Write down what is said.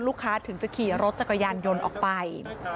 ถึงจะขี่รถจักรยานยนต์ออกไป